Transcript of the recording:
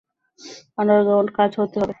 Underground কাজ হতে হবে।